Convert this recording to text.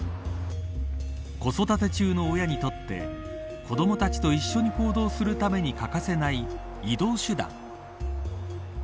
子育て中の親にとって子どもたちと一緒に行動するために欠かせない移動手段。